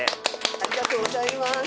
ありがとうございます。